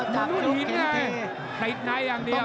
ต้องเดินต้องเดิน